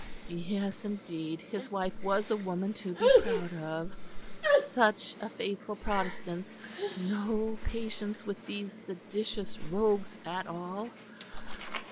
Yes, indeed, his wife was a woman to be proud of; such a faithful Protestant; no patience with these seditious rogues at all.